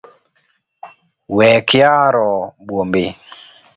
Wekyaro buombi